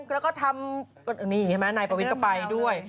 นะฮะอะไรอีกไหมในประวิษกรรมไปด้วย